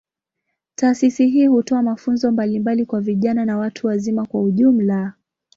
Taasisi hii hutoa mafunzo mbalimbali kwa vijana na watu wazima kwa ujumla.